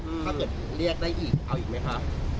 ถ้าเกิดเรียกได้อีกเอาอีกไหมคะ